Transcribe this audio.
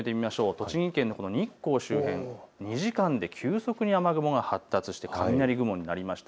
栃木県の日光周辺、２時間で急速に雨雲が発達して雷雲になりました。